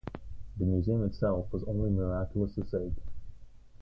The museum itself was only miraculously saved.